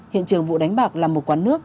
hiện trường vụ đánh bạc là một quán nước